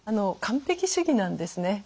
完璧主義なんですね。